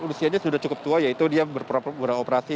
usianya sudah cukup tua yaitu dia beroperasi